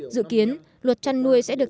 dự kiến luật chăn nuôi sẽ được